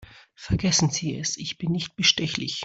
Vergessen Sie es, ich bin nicht bestechlich.